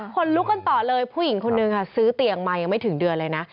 คนลุกกันต่อเลยผู้หญิงคนนึงค่ะซื้อเตียงมายังไม่ถึงเดือนเลยนะ